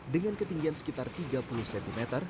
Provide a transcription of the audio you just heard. dengan ketinggian sekitar tiga puluh cm